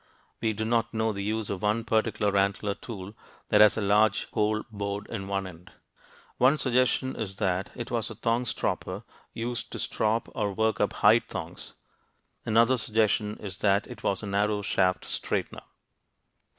We do not know the use of one particular antler tool that has a large hole bored in one end. One suggestion is that it was a thong stropper used to strop or work up hide thongs (see illustration, below); another suggestion is that it was an arrow shaft straightener.